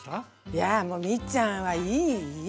いやもうミッちゃんはいいいい。